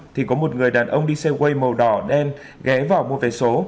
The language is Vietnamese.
thì có một người đàn ông đi xe quay màu đỏ đen ghé vào mua vé số